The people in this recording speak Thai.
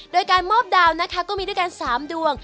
โดยการมอบดาวนะคะก็มีด้วยกัน๓ดวง